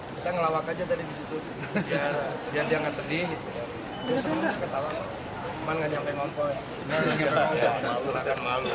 kita ngelawak aja dari disitu biar dia gak sedih terus ketawa keman gak nyampe ngompo ya